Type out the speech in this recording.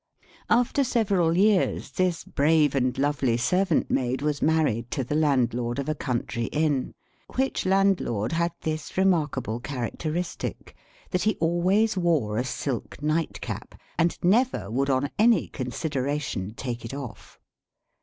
After several years, this brave and lovely servant maid was married to the landlord of a country Inn; which landlord had this remarkable characteristic, that he always wore a silk nightcap, and never would on any consideration take it off.